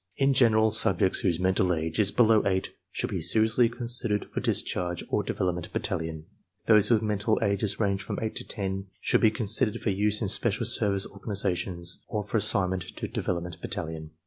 In general, subjects whose menial age is below eight should be seriously con sidered for discharge or Development Battalion, Those whose mental ages range from eight to ten should be considered for use in special service organizations or for assignment to Development Battalion.